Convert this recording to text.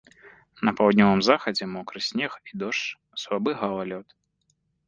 На паўднёвым захадзе мокры снег і дождж, слабы галалёд.